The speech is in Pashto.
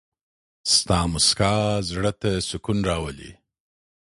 ستا مسکا زما زړه ته سکون راولي.